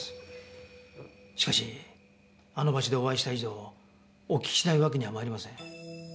しかしあの場所でお会いした以上お聞きしないわけには参りません。